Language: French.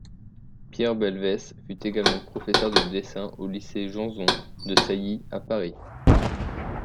Pierre Belvès fut également professeur de dessin au lycée Janson de Sailly à Paris.